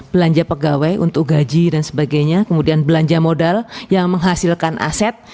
belanja pegawai untuk gaji dan sebagainya kemudian belanja modal yang menghasilkan aset